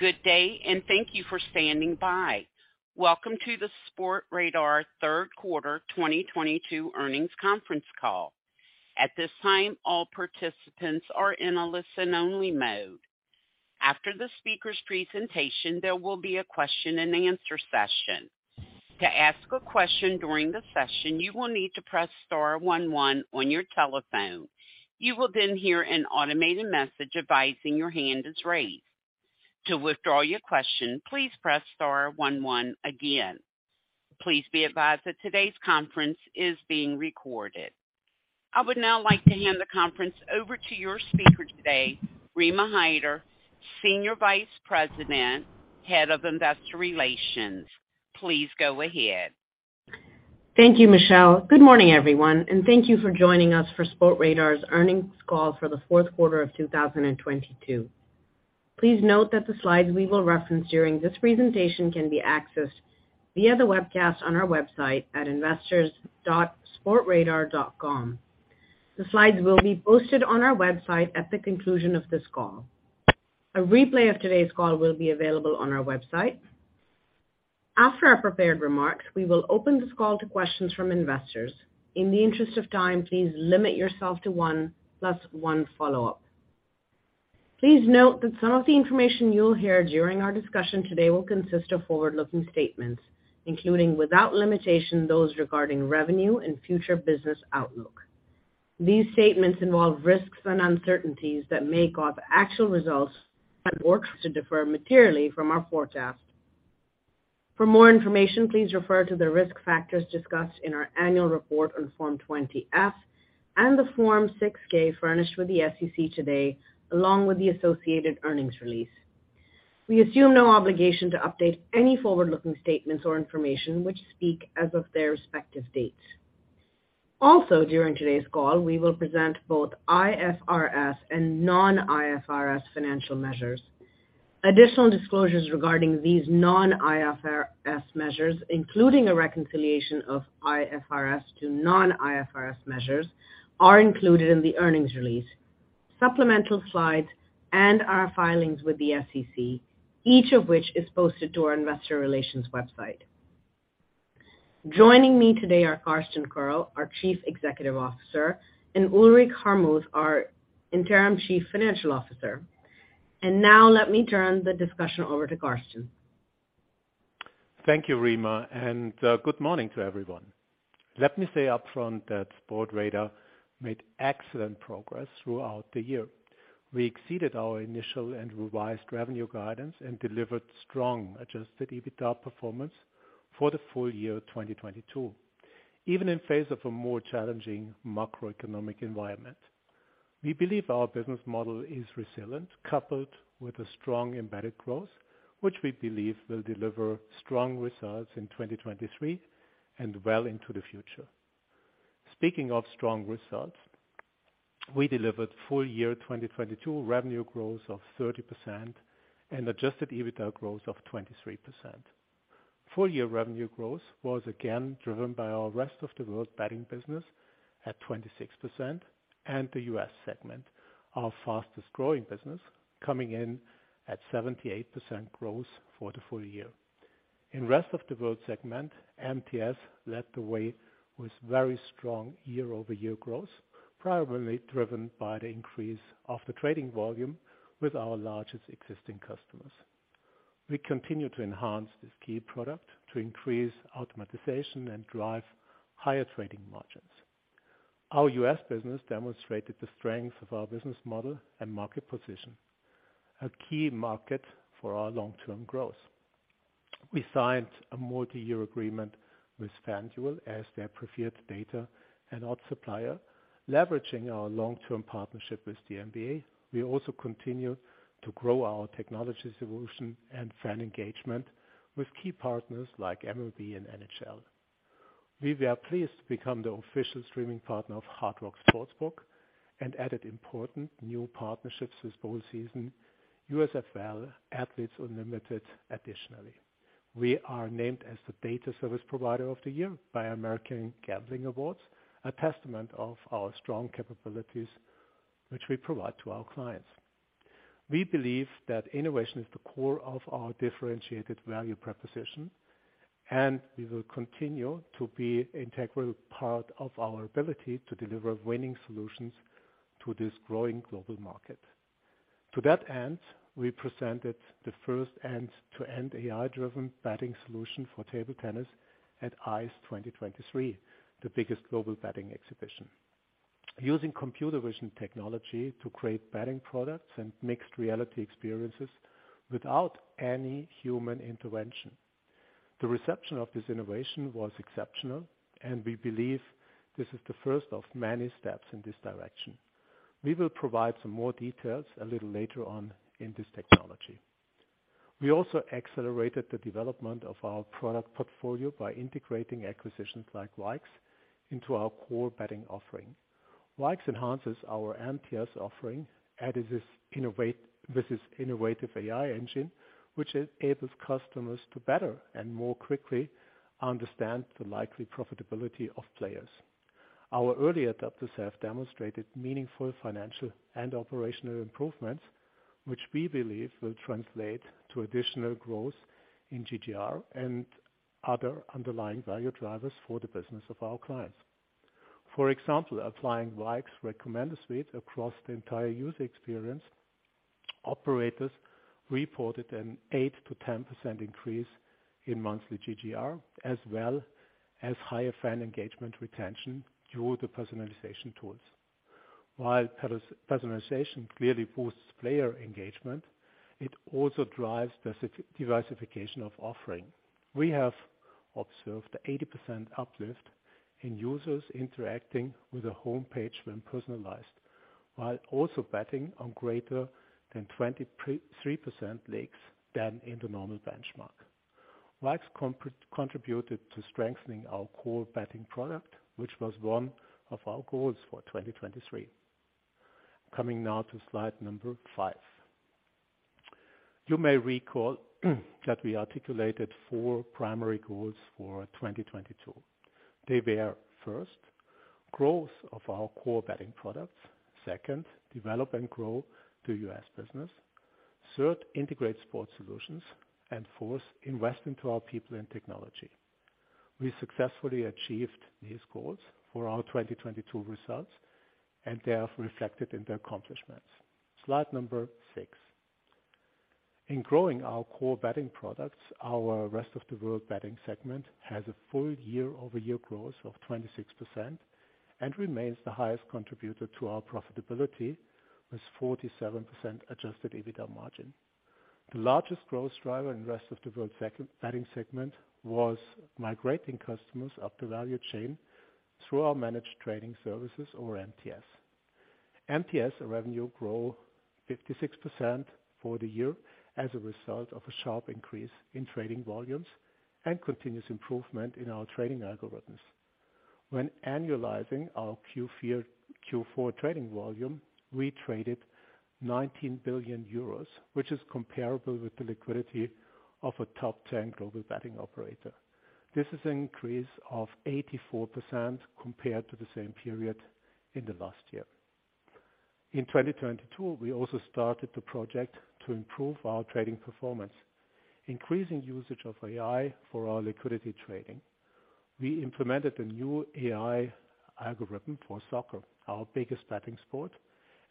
Good day, and thank you for standing by. Welcome to the Sportradar Q3 2022 earnings conference call. At this time, all participants are in a listen-only mode. After the speaker's presentation, there will be a question-and-answer session. To ask a question during the session, you will need to press star one one on your telephone. You will hear an automated message advising your hand is raised. To withdraw your question, please press star one one again. Please be advised that today's conference is being recorded. I would now like to hand the conference over to your speaker today, Rima Hyder, Senior Vice President, Head of Investor Relations. Please go ahead. Thank you, Michelle. Good morning, everyone, and thank you for joining us for Sportradar's earnings call for the Q4 of 2022. Please note that the slides we will reference during this presentation can be accessed via the webcast on our website at investors.sportradar.com. The slides will be posted on our website at the conclusion of this call. A replay of today's call will be available on our website. After our prepared remarks, we will open this call to questions from investors. In the interest of time, Please limit yourself to one question plus one follow-up.. Please note that some of the information you'll hear during our discussion today will consist of forward-looking statements, including, without limitation, those regarding revenue and future business outlook. These statements involve risks and uncertainties that make up actual results and works to defer materially from our forecast. For more information, please refer to the risk factors discussed in our annual report on Form 20-F and the Form 6-K furnished with the SEC today, along with the associated earnings release. We assume no obligation to update any forward-looking statements or information which speak as of their respective dates. During today's call, we will present both IFRS and non-IFRS financial measures. Additional disclosures regarding these non-IFRS measures, including a reconciliation of IFRS to non-IFRS measures, are included in the earnings release, supplemental slides, and our filings with the SEC, each of which is posted to our investor relations website. Joining me today are Carsten Koerl, our Chief Executive Officer, and Ulrich Harmuth, our Interim Chief Financial Officer. Now let me turn the discussion over to Carsten. Thank you, Rima. Good morning to everyone. Let me say upfront that Sportradar made excellent progress throughout the year. We exceeded our initial and revised revenue guidance and delivered strong adjusted EBITDA performance for the full year 2022, even in face of a more challenging macroeconomic environment. We believe our business model is resilient, coupled with a strong embedded growth, which we believe will deliver strong results in 2023 and well into the future. Speaking of strong results, we delivered full year 2022 revenue growth of 30% and adjusted EBITDA growth of 23%. Full year revenue growth was again driven by our Rest of the World Betting business at 26% and the U.S. segment, our fastest-growing business, coming in at 78% growth for the full year. In rest of the world segment, MTS led the way with very strong year-over-year growth, primarily driven by the increase of the trading volume with our largest existing customers. We continue to enhance this key product to increase automatization and drive higher trading margins. Our U.S. business demonstrated the strength of our business model and market position, a key market for our long-term growth. We signed a multi-year agreement with FanDuel as their preferred data and odds supplier, leveraging our long-term partnership with the NBA. We also continue to grow our technology solution and fan engagement with key partners like MLB and NHL. We were pleased to become the official streaming partner of Hard Rock Sportsbook and added important new partnerships with Bowl Season, USFL, Athletes Unlimited additionally. We are named as the data service provider of the year by American Gambling Awards, a testament of our strong capabilities which we provide to our clients. We believe that innovation is the core of our differentiated value proposition, and we will continue to be integral part of our ability to deliver winning solutions to this growing global market. To that end, we presented the first end-to-end AI-driven betting solution for table tennis at ICE London 2023, the biggest global betting exhibition, using computer vision technology to create betting products and mixed reality experiences without any human intervention. The reception of this innovation was exceptional, and we believe this is the first of many steps in this direction. We will provide some more details a little later on in this technology. We also accelerated the development of our product portfolio by integrating acquisitions like Vaix into our core betting offering. Vaix enhances our MTS offering as this is innovative AI engine, which enables customers to better and more quickly understand the likely profitability of players. Our early adopters have demonstrated meaningful financial and operational improvements, which we believe will translate to additional growth in GGR and other underlying value drivers for the business of our clients. For example, applying Vaix recommended suite across the entire user experience, operators reported an 8%–10% increase in monthly GGR, as well as higher fan engagement retention through the personalization tools. While personalization clearly boosts player engagement, it also drives the diversification of offering. We have observed 80% uplift in users interacting with a home page when personalized, while also betting on greater than 23% leagues than in the normal benchmark. Vaix contributed to strengthening our core betting product, which was one of our goals for 2023. Coming now to slide 5. You may recall that we articulated 4 primary goals for 2022. They were, first, growth of our core betting products. Second, develop and grow the U.S. business. Third, integrate sports solutions. Fourth, invest into our people and technology. We successfully achieved these goals for our 2022 results, and they are reflected in the accomplishments. Slide number 6. In growing our core betting products, our Rest of the World Betting segment has a full year-over-year growth of 26% and remains the highest contributor to our profitability, with 47% adjusted EBITDA margin. The largest growth driver in Rest of the World Betting segment was migrating customers up the value chain through our Managed Trading Services or MTS. MTS revenue grow 56% for the year as a result of a sharp increase in trading volumes and continuous improvement in our trading algorithms. When annualizing our Q4 trading volume, we traded €19 billion, which is comparable with the liquidity of a top 10 global betting operator. This is an increase of 84% compared to the same period in the last year. In 2022, we also started the project to improve our trading performance, increasing usage of AI for our liquidity trading. We implemented a new AI algorithm for soccer, our biggest betting sport,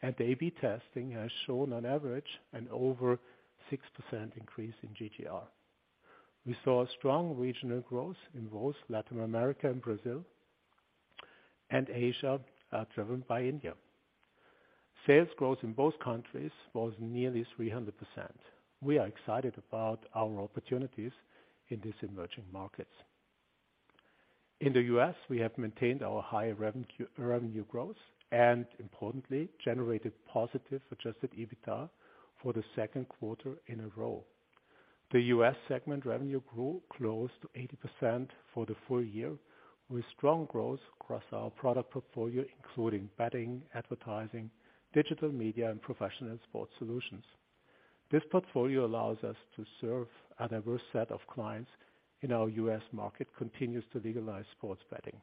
and the A/B testing has shown on average an over 6% increase in GGR. We saw strong regional growth in both Latin America and Brazil, and Asia, driven by India. Sales growth in both countries was nearly 300%. We are excited about our opportunities in these emerging markets. In the U.S., we have maintained our high revenue growth and importantly, generated positive adjusted EBITDA for the Q2 in a row. The U.S. segment revenue grew close to 80% for the full year, with strong growth across our product portfolio, including betting, advertising, digital media, and professional sports solutions. This portfolio allows us to serve a diverse set of clients in our U.S. market, continues to legalize sports betting.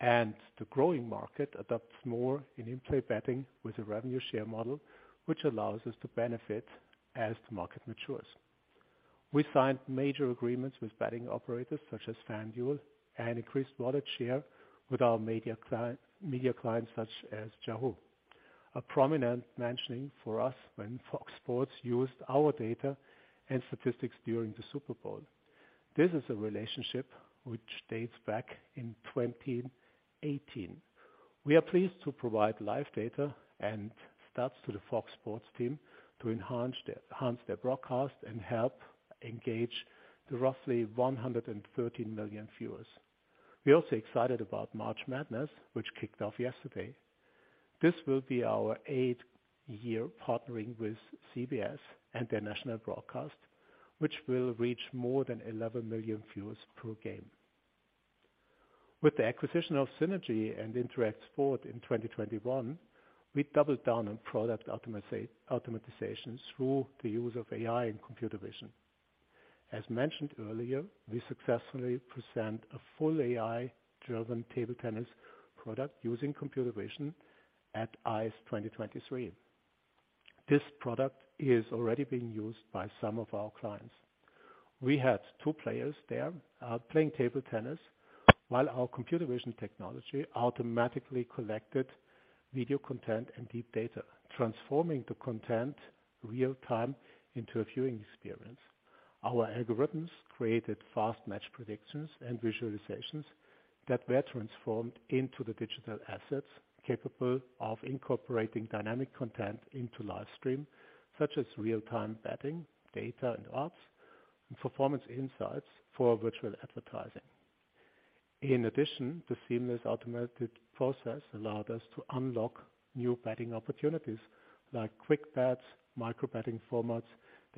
The growing market adopts more in-play betting with a revenue share model, which allows us to benefit as the market matures. We signed major agreements with betting operators such as FanDuel, and increased wallet share with our media clients such as Yahoo. A prominent mentioning for us when Fox Sports used our data and statistics during the Super Bowl. This is a relationship which dates back in 2018. We are pleased to provide live data and stats to the Fox Sports team to enhance their broadcast and help engage the roughly 113 million viewers. We're also excited about March Madness, which kicked off yesterday. This will be our 8th year partnering with CBS and their national broadcast, which will reach more than 11 million viewers per game. With the acquisition of Synergy Sports and InteractSport in 2021, we doubled down on product automatization through the use of AI and computer vision. As mentioned earlier, we successfully present a full AI-driven table tennis product using computer vision at ICE London 2023. This product is already being used by some of our clients. We had 2 players there, playing table tennis while our computer vision technology automatically collected video content and deep data, transforming the content real-time into a viewing experience. Our algorithms created fast match predictions and visualizations that were transformed into the digital assets capable of incorporating dynamic content into live stream, such as real-time betting, data and odds, and performance insights for virtual advertising. In addition, the seamless automated process allowed us to unlock new betting opportunities like quick bets, micro betting formats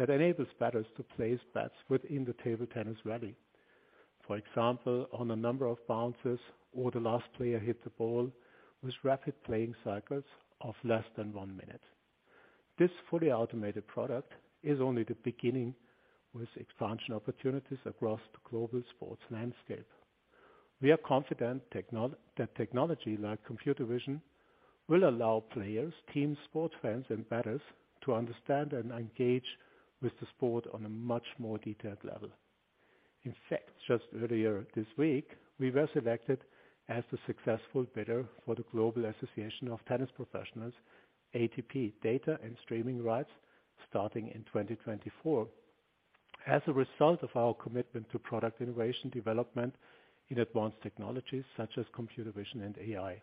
that enables bettors to place bets within the table tennis rally. For example, on a number of bounces or the last player hit the ball with rapid playing cycles of less than 1 minute. This fully automated product is only the beginning with expansion opportunities across the global sports landscape. We are confident that technology like computer vision will allow players, teams, sports fans, and bettors to understand and engage with the sport on a much more detailed level. In fact, just earlier this week, we were selected as the successful bidder for the Global Association of Tennis Professionals, ATP, data and streaming rights starting in 2024 as a result of our commitment to product innovation development in advanced technologies such as computer vision and AI.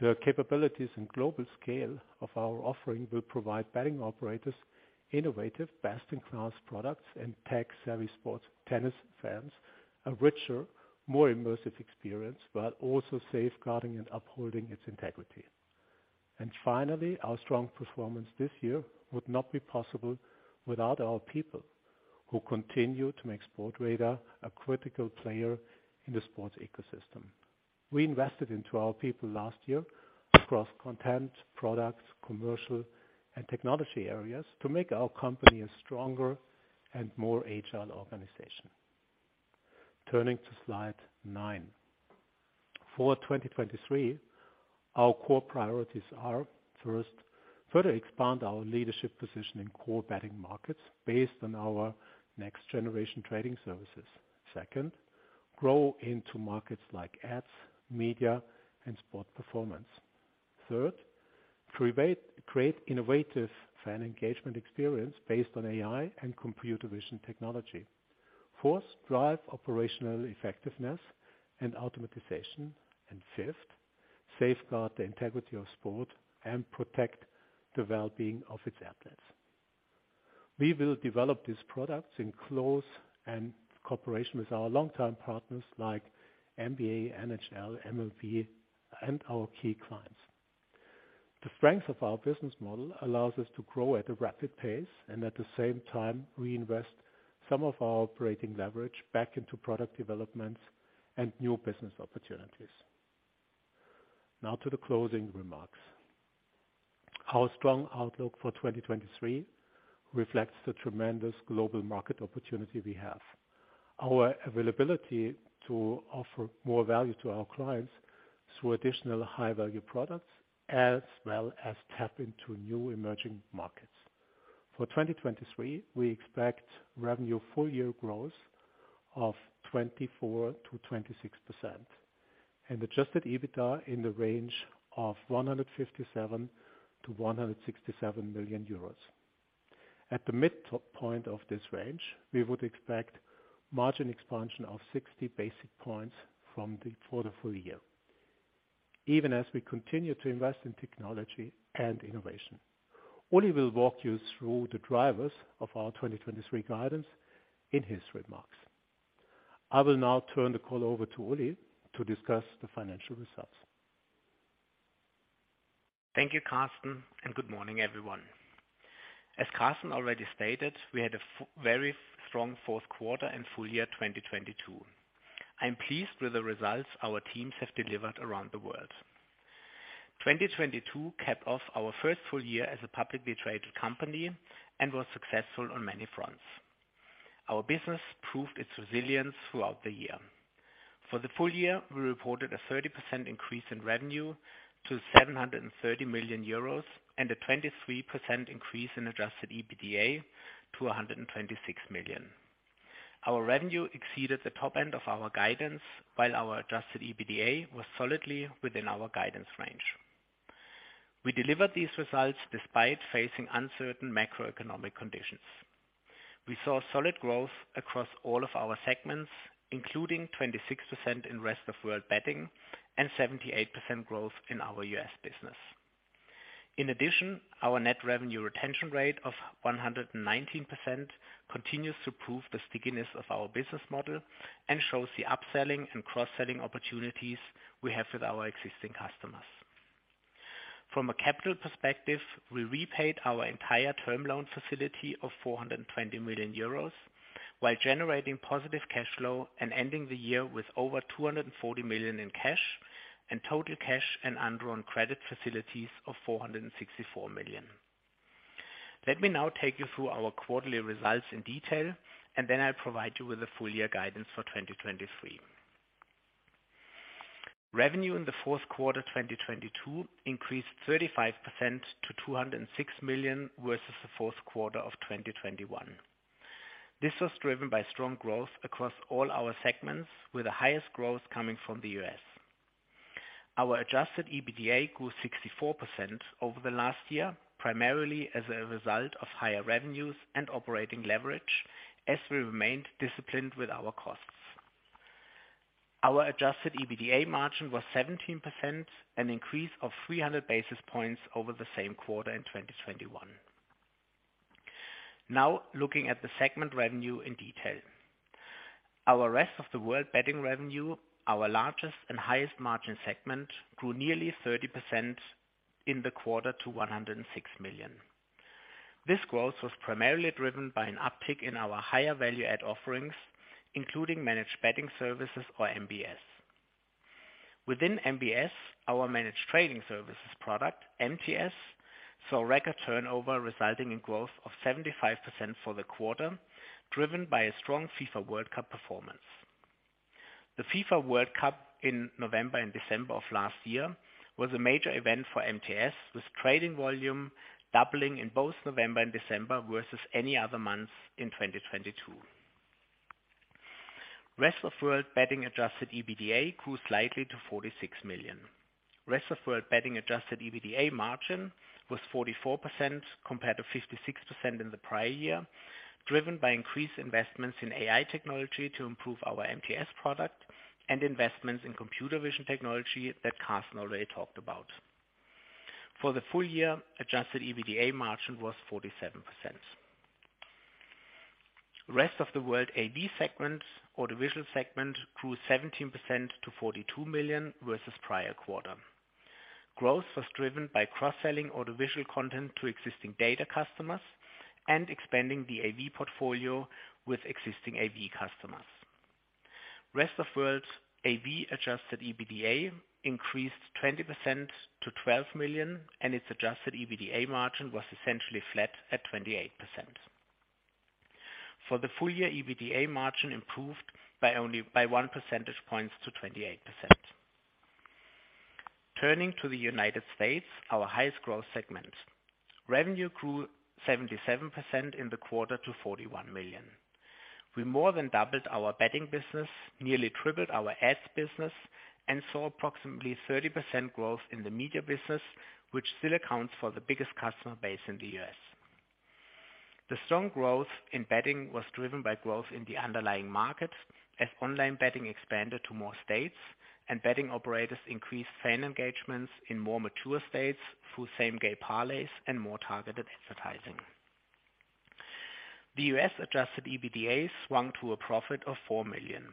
The capabilities and global scale of our offering will provide betting operators innovative, best-in-class products and tech-savvy sports tennis fans a richer, more immersive experience, but also safeguarding and upholding its integrity. Finally, our strong performance this year would not be possible without our people, who continue to make Sportradar a critical player in the sports ecosystem. We invested into our people last year across content, products, commercial, and technology areas to make our company a stronger and more agile organization. Turning to slide 9. For 2023, our core priorities are, first, further expand our leadership position in core betting markets based on our next generation trading services. Second, grow into markets like ads, media, and sport performance. Third, create innovative fan engagement experience based on AI and computer vision technology. Fourth, drive operational effectiveness and automatization. Fifth, safeguard the integrity of sport and protect the well-being of its athletes. We will develop these products in close and cooperation with our long-term partners like NBA, NHL, MLB, and our key clients. The strength of our business model allows us to grow at a rapid pace and at the same time reinvest some of our operating leverage back into product developments and new business opportunities. Now to the closing remarks. Our strong outlook for 2023 reflects the tremendous global market opportunity we have. Our availability to offer more value to our clients through additional high-value products, as well as tap into new emerging markets. For 2023, we expect revenue full year growth of 24%–26% and adjusted EBITDA in the range of €157 million–€167 million. At the mid top point of this range, we would expect margin expansion of 60 basis points for the full year, even as we continue to invest in technology and innovation. Ulrich will walk you through the drivers of our 2023 guidance in his remarks. I will now turn the call over to Ulrich to discuss the financial results. Thank you, Carsten, and good morning, everyone. As Carsten already stated, we had a very strong Q4 and full year 2022. I'm pleased with the results our teams have delivered around the world. 2022 capped off our first full year as a publicly traded company and was successful on many fronts. Our business proved its resilience throughout the year. For the full year, we reported a 30% increase in revenue to €730 million and a 23% increase in adjusted EBITDA to €126 million. Our revenue exceeded the top end of our guidance, while our adjusted EBITDA was solidly within our guidance range. We delivered these results despite facing uncertain macroeconomic conditions. We saw solid growth across all of our segments, including 26% in rest of world betting and 78% growth in our U.S. business. Our net revenue retention rate of 119% continues to prove the stickiness of our business model and shows the upselling and cross-selling opportunities we have with our existing customers. From a capital perspective, we repaid our entire term loan facility of €420 million while generating positive cash flow and ending the year with over €240 million in cash and total cash and undrawn credit facilities of €464 million. Let me now take you through our quarterly results in detail. I'll provide you with a full year guidance for 2023. Revenue in the Q4 2022 increased 35% to €206 million, versus the Q4 of 2021. This was driven by strong growth across all our segments, with the highest growth coming from the US. Our adjusted EBITDA grew 64% over the last year, primarily as a result of higher revenues and operating leverage, as we remained disciplined with our costs. Our adjusted EBITDA margin was 17%, an increase of 300 basis points over the same quarter in 2021. Looking at the segment revenue in detail. Our Rest of the World Betting revenue, our largest and highest margin segment, grew nearly 30% in the quarter to €106 million. This growth was primarily driven by an uptick in our higher value-add offerings, including Managed Betting Services (MBS). Within MBS, our Managed Trading Services product, MTS, saw record turnover resulting in growth of 75% for the quarter, driven by a strong FIFA World Cup performance. The FIFA World Cup in November and December of last year was a major event for MTS, with trading volume doubling in both November and December versus any other months in 2022. Rest of World betting adjusted EBITDA grew slightly to €46 million. Rest of World betting adjusted EBITDA margin was 44% compared to 56% in the prior year, driven by increased investments in AI technology to improve our MTS product and investments in computer vision technology that Carsten already talked about. For the full year, adjusted EBITDA margin was 47%. Rest of the World AV segment, audiovisual segment, grew 17% to €42 million versus prior quarter. Growth was driven by cross-selling audiovisual content to existing data customers and expanding the AV portfolio with existing AV customers. Rest of World AV adjusted EBITDA increased 20% to €12 million, and its adjusted EBITDA margin was essentially flat at 28%. For the full year, EBITDA margin improved by one percentage point to 28%. Turning to the United States, our highest growth segment. Revenue grew 77% in the quarter to €41 million. We more than doubled our betting business, nearly tripled our ads business, and saw approximately 30% growth in the media business, which still accounts for the biggest customer base in the U.S. The strong growth in betting was driven by growth in the underlying markets as online betting expanded to more states and betting operators increased fan engagements in more mature states through same-game parlays and more targeted advertising. The U.S. adjusted EBITDA swung to a profit of €4 million.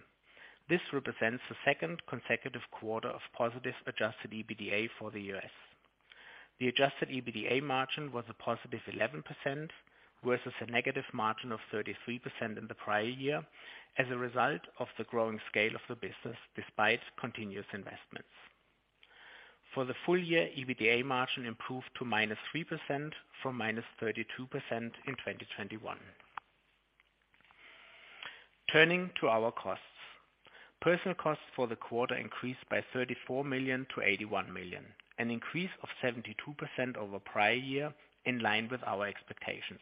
This represents the second consecutive quarter of positive adjusted EBITDA for the U.S. The adjusted EBITDA margin was a positive 11% versus a negative margin of 33% in the prior year as a result of the growing scale of the business despite continuous investments. For the full year, EBITDA margin improved to minus 3% from minus 32% in 2021. Turning to our costs. Personnel costs for the quarter increased by €34 million to €81 million, an increase of 72% over prior year, in line with our expectations.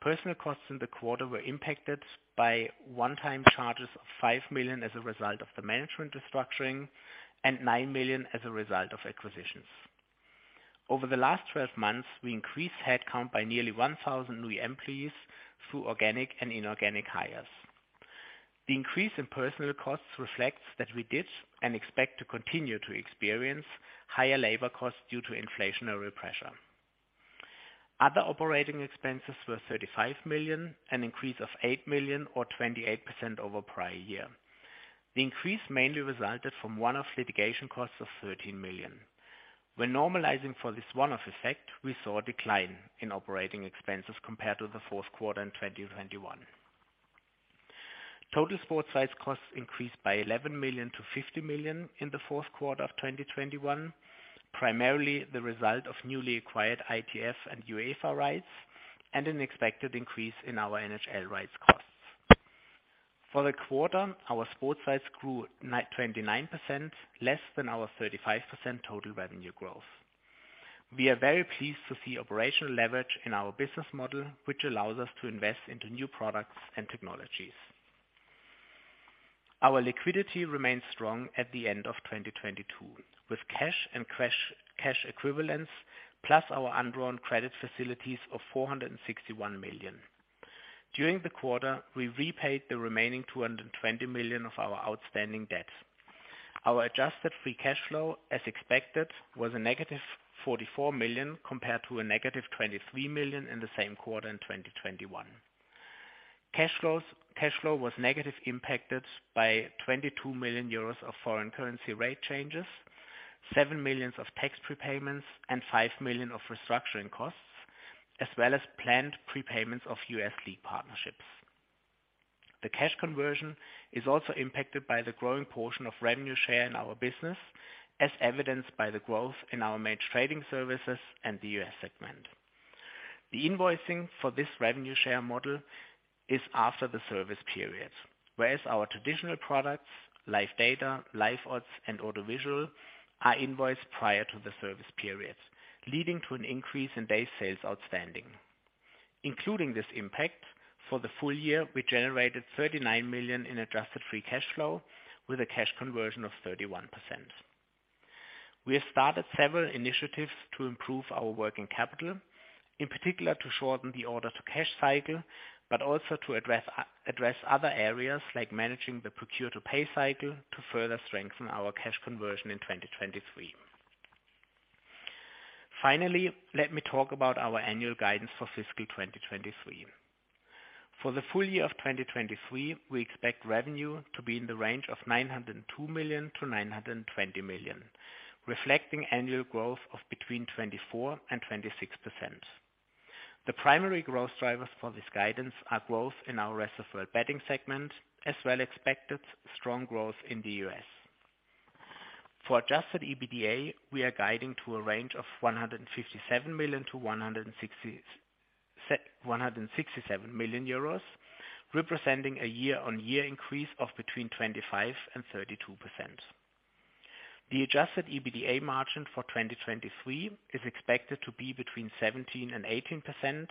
Personnel costs in the quarter were impacted by one-time charges of €5 million as a result of the management restructuring and €9 million as a result of acquisitions. Over the last 12 months, we increased headcount by nearly 1,000 new employees through organic and inorganic hires. The increase in personnel costs reflects that we did and expect to continue to experience higher labor costs due to inflationary pressure. Other operating expenses were €35 million, an increase of €8 million or 28% over prior year. The increase mainly resulted from one-off litigation costs of €13 million. When normalizing for this one-off effect, we saw a decline in operating expenses compared to the Q4 in 2021. Total sports rights costs increased by €11 million to €50 million in the Q4 of 2021, primarily the result of newly acquired ITF and UEFA rights and an expected increase in our NHL rights costs. For the quarter, our sports rights grew 29%, less than our 35% total revenue growth. We are very pleased to see operational leverage in our business model, which allows us to invest into new products and technologies. Our liquidity remains strong at the end of 2022, with cash and cash equivalents plus our undrawn credit facilities of €461 million. During the quarter, we repaid the remaining €220 million of our outstanding debt. Our adjusted free cash flow, as expected, was a negative €44 million compared to a negative €23 million in the same quarter in 2021. Cash flow was negatively impacted by €22 million of foreign currency rate changes, €7 million of tax prepayments and €5 million of restructuring costs, as well as planned prepayments of U.S. league partnerships. The cash conversion is also impacted by the growing portion of revenue share in our business, as evidenced by the growth in our Managed Trading Services and the U.S. segment. The invoicing for this revenue share model is after the service period, whereas our traditional products, live data, live odds, and audiovisual, are invoiced prior to the service period, leading to an increase in days sales outstanding. Including this impact, for the full year, we generated €39 million in adjusted free cash flow with a cash conversion of 31%. We have started several initiatives to improve our working capital, in particular to shorten the order to cash cycle, but also to address other areas like managing the procure to pay cycle to further strengthen our cash conversion in 2023. Finally, let me talk about our annual guidance for fiscal 2023. For the full year of 2023, we expect revenue to be in the range of €902 million-€920 million, reflecting annual growth of between 24% and 26%. The primary growth drivers for this guidance are growth in our rest-of-world betting segment, as well expected strong growth in the U.S. For adjusted EBITDA, we are guiding to a range of €157 million–€167 million, representing a year-over-year increase of between 25% and 32%. The adjusted EBITDA margin for 2023 is expected to be between 17% and 18%,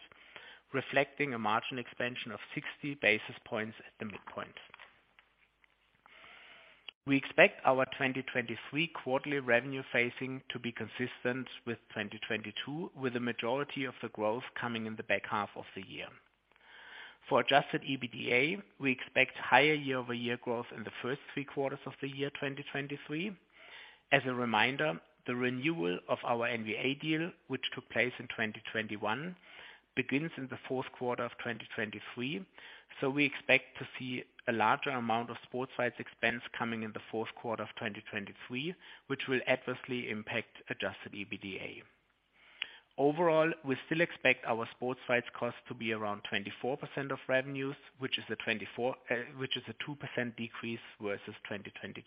reflecting a margin expansion of 60 basis points at the midpoint. We expect our 2023 quarterly revenue phasing to be consistent with 2022, with the majority of the growth coming in the back half of the year. For adjusted EBITDA, we expect higher year-over-year growth in the first three quarters of the year 2023. As a reminder, the renewal of our NBA deal, which took place in 2021, begins in the Q4 of 2023, so we expect to see a larger amount of sports rights expense coming in the Q4 of 2023, which will adversely impact adjusted EBITDA. Overall, we still expect our sports rights cost to be around 24% of revenues, which is a 2% decrease versus 2022.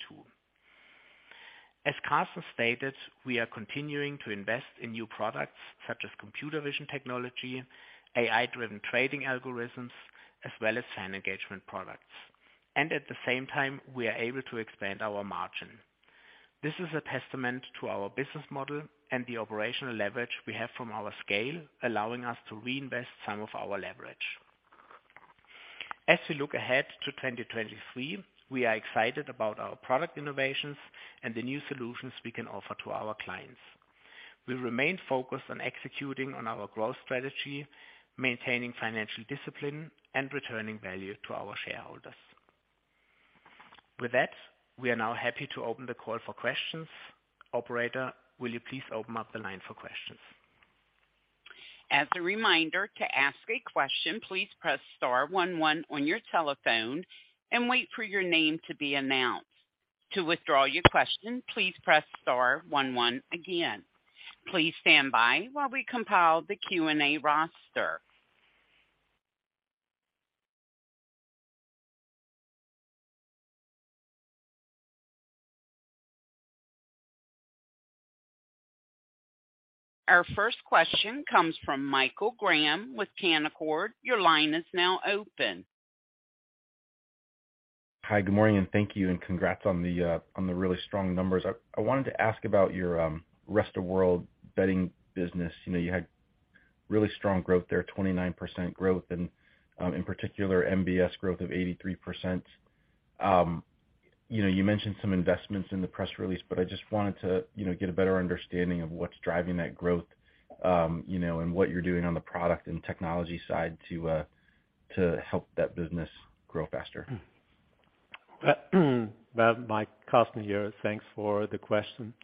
As Carsten stated, we are continuing to invest in new products such as computer vision technology, AI-driven trading algorithms, as well as fan engagement products. At the same time, we are able to expand our margin. This is a testament to our business model and the operational leverage we have from our scale, allowing us to reinvest some of our leverage. We look ahead to 2023, we are excited about our product innovations and the new solutions we can offer to our clients. We remain focused on executing on our growth strategy, maintaining financial discipline, and returning value to our shareholders. We are now happy to open the call for questions. Operator, will you please open up the line for questions? As a reminder, to ask a question, please press star one one on your telephone and wait for your name to be announced. To withdraw your question, please press star one one again. Please stand by while we compile the Q&A roster. Our first question comes from Michael Graham with Canaccord. Your line is now open. Hi, good morning, and thank you, and congrats on the on the really strong numbers. I wanted to ask about your rest-of-world betting business. You know, you had really strong growth there, 29% growth and, in particular, MBS growth of 83%. You know, you mentioned some investments in the press release, but I just wanted to, you know, get a better understanding of what's driving that growth, you know, and what you're doing on the product and technology side to help that business grow faster. Well, Mike, Carsten here. Thanks for the question.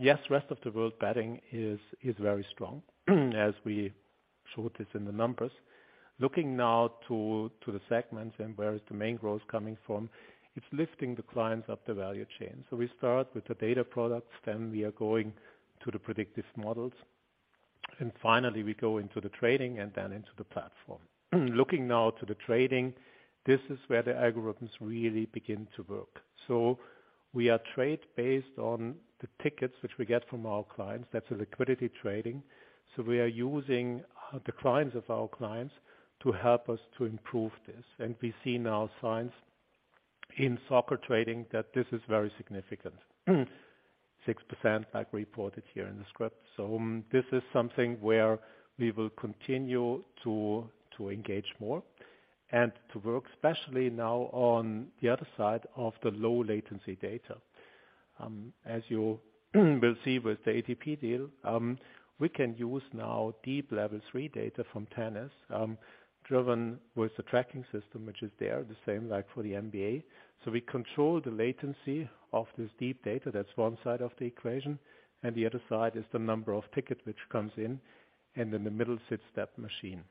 Yes, Rest of the World Betting is very strong, as we showed this in the numbers. Looking now to the segments where is the main growth coming from, it's lifting the clients up the value chain. We start with the data products, we are going to the predictive models, finally we go into the trading into the platform. Looking now to the trading, this is where the algorithms really begin to work. We are trade based on the tickets which we get from our clients. That's a liquidity trading. We are using the clients of our clients to help us to improve this. We see now signs in soccer trading that this is very significant. 6% like reported here in the script. This is something where we will continue to engage more and to work, especially now on the other side of the low latency data. As you will see with the ATP deal, we can use now deep level three data from tennis, driven with the tracking system which is there, the same like for the NBA. We control the latency of this deep data. That's one side of the equation, and the other side is the number of ticket which comes in, and in the middle sits that machine.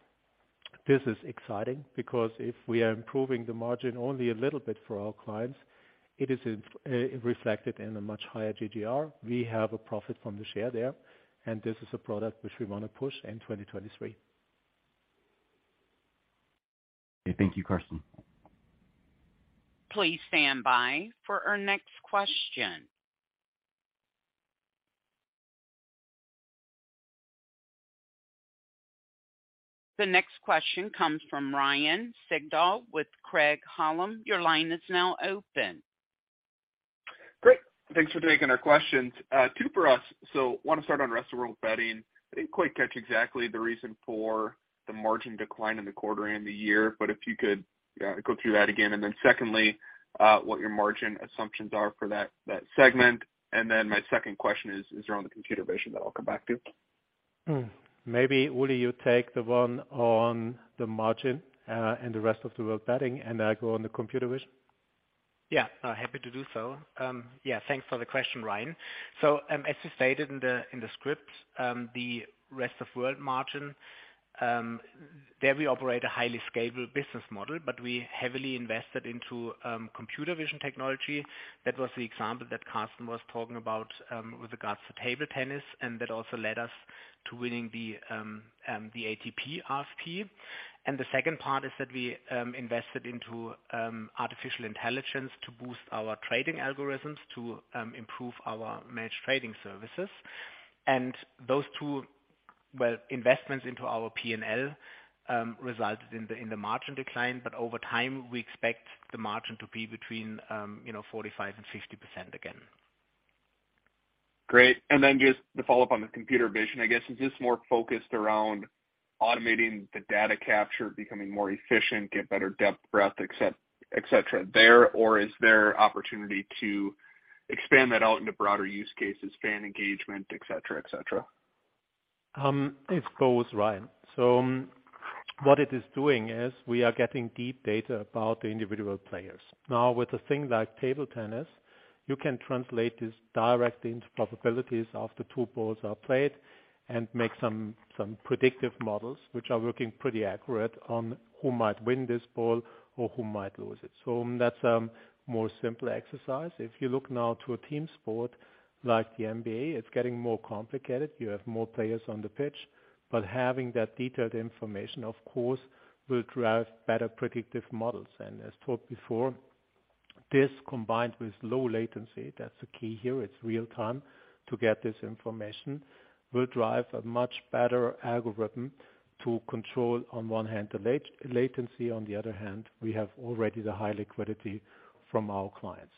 This is exciting because if we are improving the margin only a little bit for our clients, it is reflected in a much higher GGR. We have a profit from the share there, and this is a product which we wanna push in 2023. Okay. Thank you, Carsten. Please stand by for our next question. The next question comes from Ryan Sigdahl with Craig-Hallum. Your line is now open. Great. Thanks for taking our questions. Two for us. Wanna start on rest of world betting. I didn't quite catch exactly the reason for the margin decline in the quarter and the year, but if you could go through that again. Secondly, what your margin assumptions are for that segment, and then my second question is around the computer vision that I'll come back to. Maybe, Ulrich, you take the one on the margin, and the Rest of the World Betting, and I go on the computer vision. Yeah, I'm happy to do so. Yeah, thanks for the question, Ryan. As we stated in the script, the rest of world margin, there we operate a highly scalable business model, but we heavily invested into computer vision technology. That was the example that Carsten was talking about, with regards to table tennis, and that also led us to winning the ATP RFP. The second part is that we invested into artificial intelligence to boost our trading algorithms to improve our Managed Trading Services. Those two, well, investments into our P&L resulted in the margin decline, but over time, we expect the margin to be between, you know, 45% and 50% again. Great. Just to follow up on the computer vision, I guess, is this more focused around automating the data capture, becoming more efficient, get better depth, breadth, et cetera there? Or is there opportunity to expand that out into broader use cases, fan engagement, et cetera, et cetera? It's both, Ryan. What it is doing is we are getting deep data about the individual players. Now, with a thing like table tennis, you can translate this directly into probabilities after two balls are played and make some predictive models which are working pretty accurate on who might win this ball or who might lose it. That's a more simple exercise. If you look now to a team sport like the NBA, it's getting more complicated. You have more players on the pitch, but having that detailed information, of course, will drive better predictive models. As talked before, this combined with low latency, that's the key here, it's real time to get this information, will drive a much better algorithm to control, on one hand, the latency. On the other hand, we have already the high liquidity from our clients.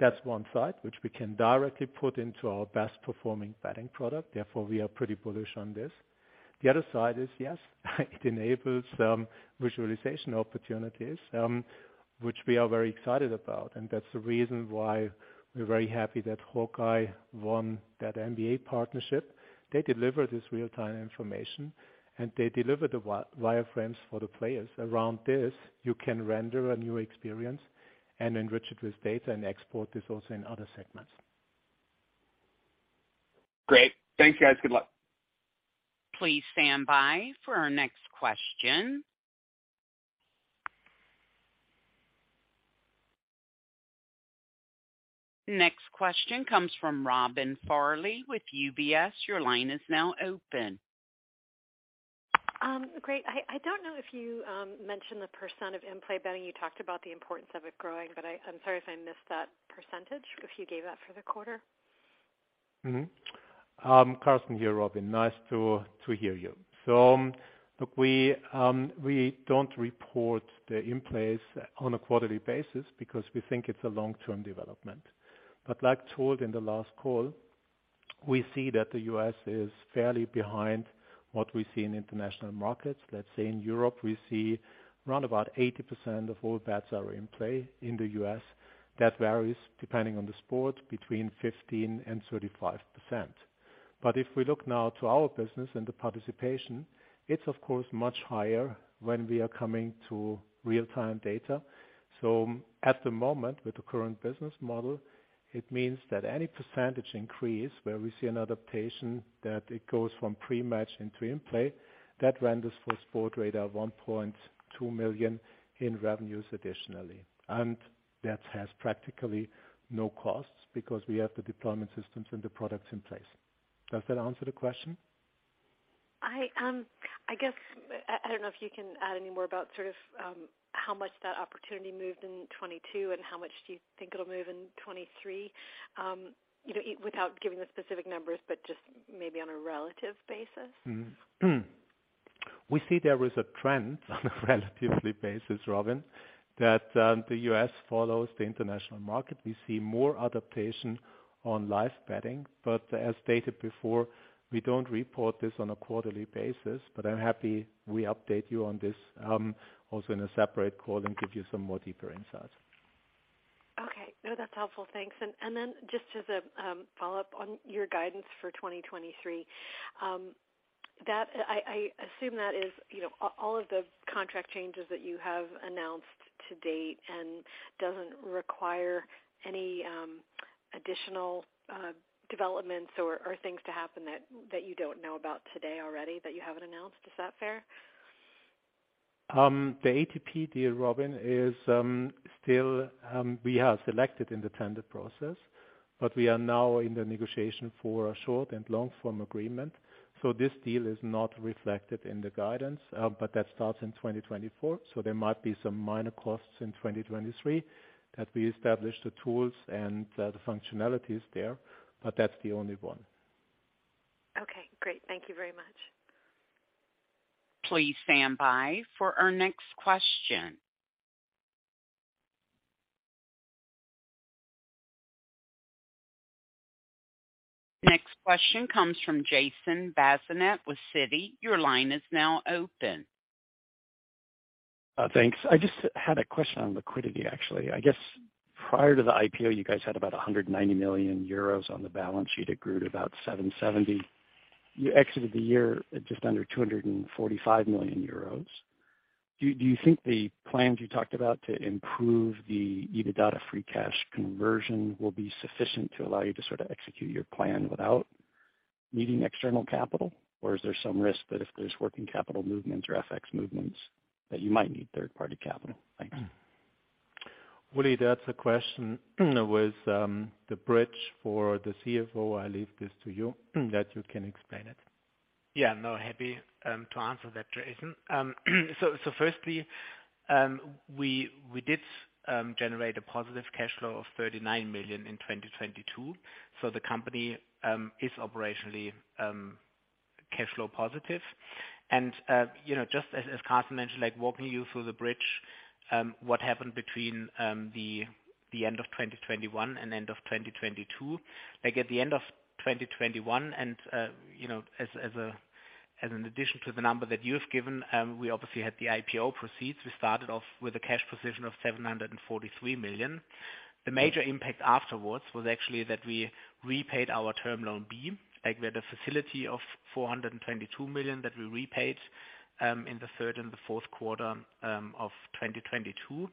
That's one side which we can directly put into our best performing betting product, therefore we are pretty bullish on this. The other side is, yes, it enables visualization opportunities which we are very excited about. That's the reason why we're very happy that Hawk-Eye won that NBA partnership. They deliver this real-time information, and they deliver the wireframes for the players. Around this, you can render a new experience and enrich it with data and export this also in other segments. Great. Thanks, guys. Good luck. Please stand by for our next question. Next question comes from Robin Farley with UBS. Your line is now open. Great. I don't know if you mentioned the % of in-play betting. You talked about the importance of it growing. I'm sorry if I missed that percentage, if you gave that for the quarter. Carsten here, Robin. Nice to hear you. Look, we don't report the in-plays on a quarterly basis because we think it's a long-term development. Like told in the last call, we see that the U.S. is fairly behind what we see in international markets. Let's say in Europe, we see round about 80% of all bets are in play. In the U.S., that varies depending on the sport between 15 and 35%. If we look now to our business and the participation, it's of course much higher when we are coming to real-time data. At the moment, with the current business model, it means that any percentage increase where we see an adaptation that it goes from pre-match into in-play, that renders for Sportradar €1.2 million in revenues additionally. That has practically no costs because we have the deployment systems and the products in place. Does that answer the question? I guess, I don't know if you can add any more about sort of, how much that opportunity moved in 2022 and how much do you think it'll move in 2023, you know, without giving the specific numbers, but just maybe on a relative basis? We see there is a trend on a relatively basis, Robin, that the U.S. follows the international market. We see more adaptation on live betting, as stated before, we don't report this on a quarterly basis. I'm happy we update you on this, also in a separate call and give you some more deeper insights. Okay. No, that's helpful. Thanks. Just as a follow-up on your guidance for 2023, that I assume that is, you know, all of the contract changes that you have announced to date and doesn't require any additional developments or things to happen that you don't know about today already that you haven't announced. Is that fair? The ATP deal, Robin, is, still, we are selected in the tender process, but we are now in the negotiation for a short and long-form agreement. This deal is not reflected in the guidance, but that starts in 2024, so there might be some minor costs in 2023 that we establish the tools and the functionalities there, but that's the only one. Okay, great. Thank you very much. Please stand by for our next question. Next question comes from Jason Bazinet with Citi. Your line is now open. Thanks. I just had a question on liquidity, actually. I guess prior to the IPO, you guys had about €190 million on the balance sheet. It grew to about €770 million. You exited the year at just under €245 million. Do you think the plans you talked about to improve the EBITDA free cash conversion will be sufficient to allow you to sort of execute your plan without needing external capital? Or is there some risk that if there's working capital movement or FX movements that you might need third-party capital? Thanks. Willy, that's a question with, the bridge for the CFO. I leave this to you, that you can explain it. Yeah, no, happy to answer that, Jason. Firstly, we did generate a positive cash flow of €39 million in 2022, so the company is operationally cash flow positive. You know, just as Carsten mentioned, like walking you through the bridge, what happened between the end of 2021 and end of 2022. Like, at the end of 2021, you know, as an addition to the number that you've given, we obviously had the IPO proceeds. We started off with a cash position of €743 million. The major impact afterwards was actually that we repaid our Term Loan B. We had a facility of €422 million that we repaid in the third and the Q4 of 2022.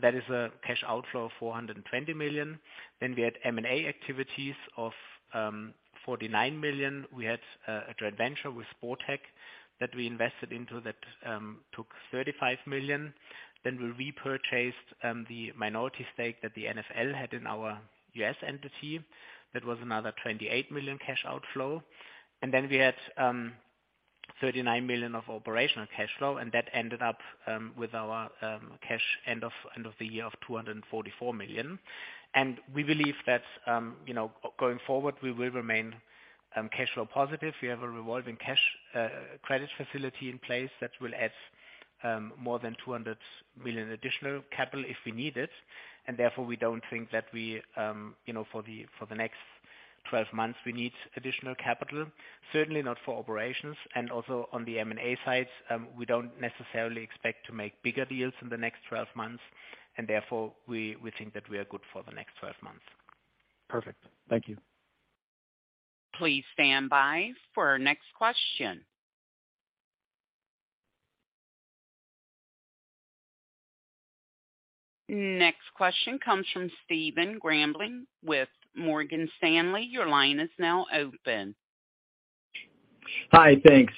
That is a cash outflow of €420 million. We had M&A activities of €49 million. We had a joint venture with Sportech that we invested into that took €35 million. We repurchased the minority stake that the NFL had in our U.S. entity. That was another €28 million cash outflow. We had €39 million of operational cash flow. That ended up with our cash end of the year of €244 million. We believe that, you know, going forward, we will remain cash flow positive. We have a revolving cash credit facility in place that will add more than €200 million additional capital if we need it. Therefore, we don't think that we, you know, for the next 12 months, we need additional capital. Certainly not for operations, and also on the M&A side, we don't necessarily expect to make bigger deals in the next 12 months. Therefore, we think that we are good for the next 12 months. Perfect. Thank you. Please stand by for our next question. Next question comes from Stephen Grambling with Morgan Stanley. Your line is now open. Hi, thanks.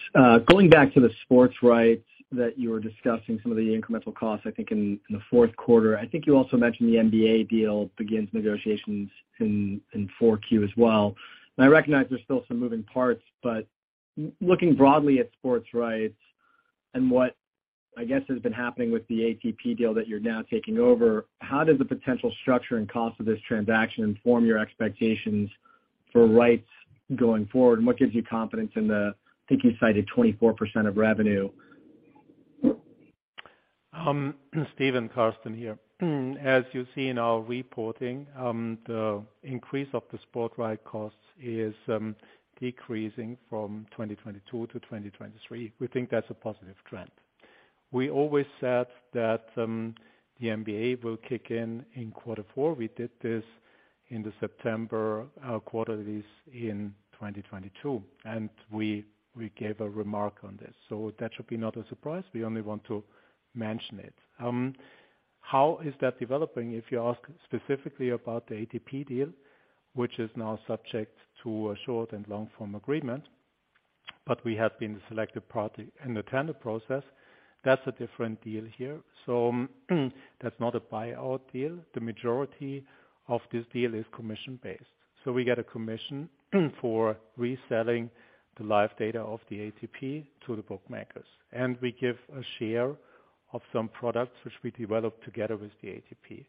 Going back to the sports rights that you were discussing, some of the incremental costs, I think in the fourth quarter. I think you also mentioned the NBA deal begins negotiations in 4Q as well. I recognize there's still some moving parts, but looking broadly at sports rights and what I guess has been happening with the ATP deal that you're now taking over, how does the potential structure and cost of this transaction inform your expectations for rights going forward? What gives you confidence in the, I think you cited 24% of revenue. Stephen, Carsten here. As you see in our reporting, the increase of the sport right costs is decreasing from 2022 to 2023. We think that's a positive trend. We always said that the NBA will kick in in quarter four. We did this in the September quarter release in 2022, and we gave a remark on this. That should be not a surprise. We only want to mention it. How is that developing? If you ask specifically about the ATP deal, which is now subject to a short and long-form agreement, but we have been the selected party in the tender process, that's a different deal here. That's not a buyout deal. The majority of this deal is commission-based. We get a commission for reselling the live data of the ATP to the bookmakers. We give a share of some products which we develop together with the ATP.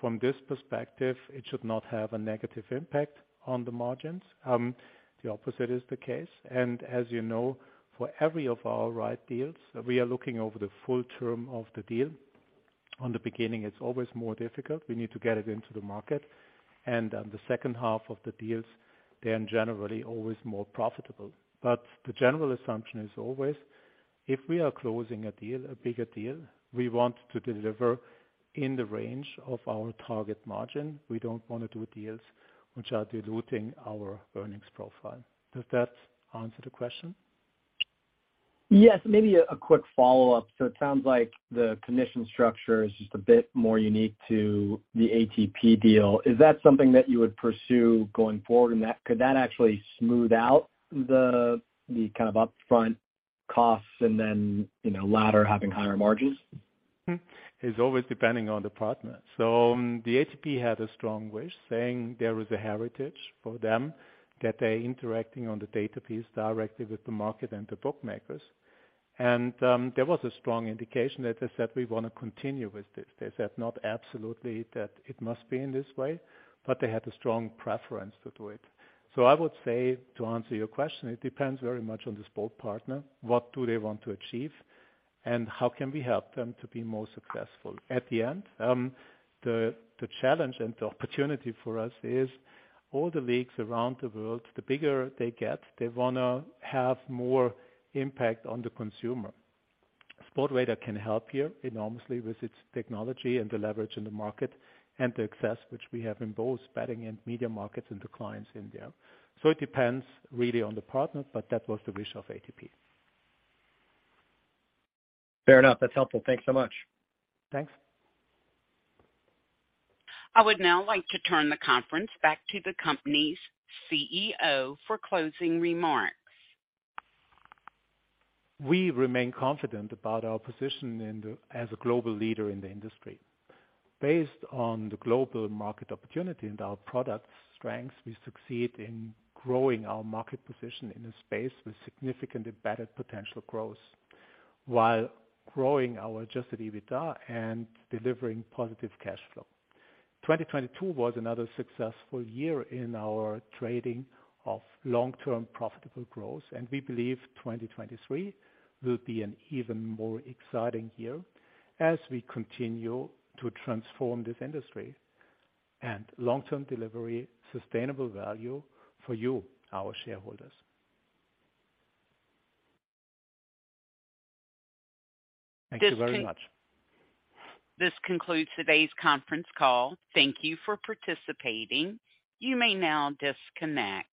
From this perspective, it should not have a negative impact on the margins. The opposite is the case. As you know, for every of our right deals, we are looking over the full term of the deal. On the beginning, it's always more difficult. We need to get it into the market. On the second half of the deals, they're generally always more profitable. The general assumption is always, if we are closing a deal, a bigger deal, we want to deliver in the range of our target margin. We don't wanna do deals which are diluting our earnings profile. Does that answer the question? Yes. Maybe a quick follow-up. It sounds like the commission structure is just a bit more unique to the ATP deal. Is that something that you would pursue going forward, could that actually smooth out the kind of upfront costs and then, you know, latter having higher margins? It's always depending on the partner. The ATP had a strong wish, saying there is a heritage for them, that they're interacting on the data piece directly with the market and the bookmakers. There was a strong indication that they said, "We wanna continue with this." They said not absolutely that it must be in this way, but they had a strong preference to do it. I would say, to answer your question, it depends very much on the sport partner, what do they want to achieve, and how can we help them to be more successful? At the end, the challenge and the opportunity for us is all the leagues around the world, the bigger they get, they wanna have more impact on the consumer. Sportradar can help here enormously with its technology and the leverage in the market and the access which we have in both betting and media markets and the clients in there. It depends really on the partner, but that was the wish of ATP. Fair enough. That's helpful. Thank you so much. Thanks. I would now like to turn the conference back to the company's CEO for closing remarks. We remain confident about our position as a global leader in the industry. Based on the global market opportunity and our product strengths, we succeed in growing our market position in a space with significantly better potential growth, while growing our adjusted EBITDA and delivering positive cash flow. 2022 was another successful year in our trading of long-term profitable growth. We believe 2023 will be an even more exciting year as we continue to transform this industry, and long-term delivery sustainable value for you, our shareholders. Thank you very much. This concludes today's conference call. Thank you for participating. You may now disconnect.